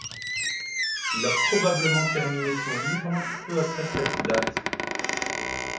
Il a probablement terminé son livre peu après cette date.